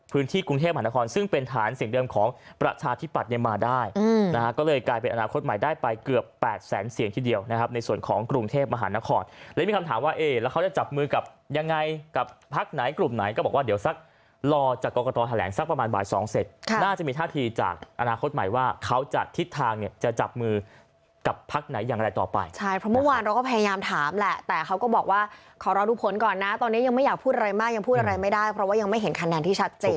พรุ่งเทพฯมหานครแล้วมีคำถามว่าเอ๊ะแล้วเขาจะจับมือกับยังไงกับพักไหนกลุ่มไหนก็บอกว่าเดี๋ยวสักรอจากกรกฎฐแหลงสักประมาณบ่ายสองเสร็จน่าจะมีท่าทีจากอนาคตใหม่ว่าเขาจะทิศทางจะจับมือกับพักไหนอย่างไรต่อไปใช่เพราะเมื่อวานเราก็พยายามถามแหละแต่เขาก็บอกว่าขอรอดูผลก่อนนะตอนนี้ยังไม่